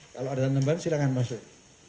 kalau ada teman teman silahkan masuk